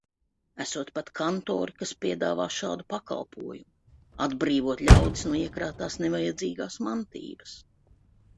Esot pat kantori, kas piedāvā šādu pakalpojumu – atbrīvot ļaudis no iekrātās nevajadzīgās mantības.